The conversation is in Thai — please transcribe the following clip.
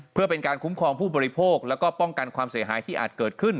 เพื่อเป็นการคุ้มครองผู้บริโภคแล้วก็ป้องกันความเสียหายที่อาจเกิดขึ้น